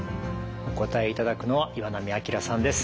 お答えいただくのは岩波明さんです。